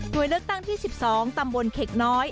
โดยเลือกตั้งที่๑๒ตำบลเข็กน้อย